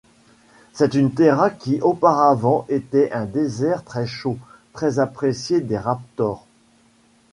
C'est une terra qui auparavant était un désert très chaud, très apprécié des Raptors.